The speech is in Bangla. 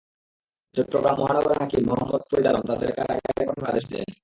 চট্টগ্রাম মহানগর হাকিম মোহাম্মদ ফরিদ আলম তাঁদের কারাগারে পাঠানোর আদেশ দেন।